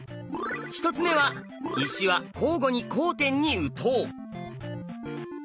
１つ目は「石は交互に交点に打とう」。